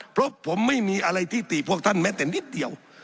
เพราะผมไม่มีอะไรที่ติพวกท่านแม้แต่นิดเดียว